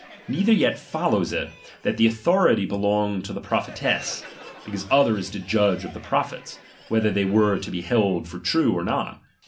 Neither yet fol lows it, that that authority belonged to the pro phetess ; because others did judge of the prophets, whether they were to be held for true or not.